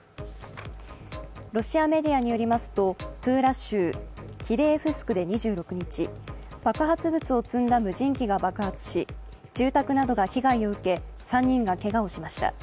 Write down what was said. ロシアメディアによりますと、トゥーラ州キレエフスクで２６日、爆発物を積んだ無人機が爆発し住宅などが被害を受け３人がけがをしました。